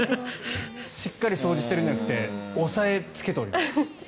しっかり掃除してるんじゃなくて押さえつけています。